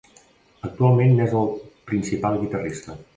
Actualment n'és el principal guitarrista.